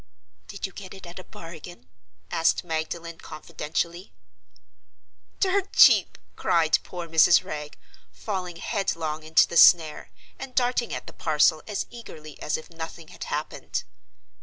"Did you get it at a bargain?" asked Magdalen, confidentially. "Dirt cheap!" cried poor Mrs. Wragge, falling headlong into the snare, and darting at the parcel as eagerly as if nothing had happened.